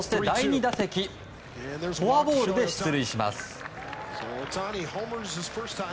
第２打席、フォアボールで出塁します。